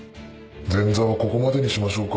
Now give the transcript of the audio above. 前座はここまでにしましょうか。